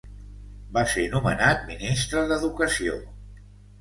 Va ser nomenat ministre d'Educació.